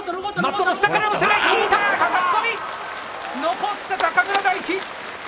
残った中村泰輝。